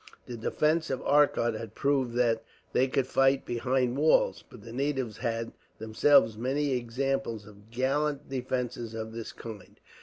The defence of Arcot had proved that they could fight behind walls; but the natives had, themselves, many examples of gallant defences of this kind.